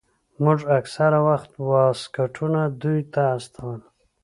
موږ اکثره وخت واسکټونه دوى ته استول.